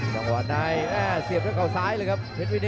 จังหวะในเสียบด้วยเขาซ้ายเลยครับเพชรวินิต